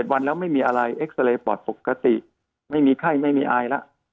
วันแล้วไม่มีอะไรเอ็กซาเรย์ปอดปกติไม่มีไข้ไม่มีอายแล้ว